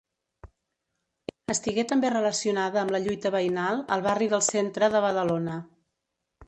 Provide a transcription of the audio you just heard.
Estigué també relacionada amb la lluita veïnal al barri del Centre de Badalona.